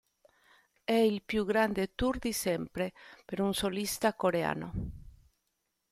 È il più grande tour di sempre per un solista coreano.